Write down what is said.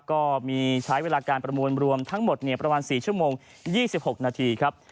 ก็มีใช้เวลาการประมวลรวมทั้งหมดประมาณ๔ชั่วโมง๒๖นาทีครับ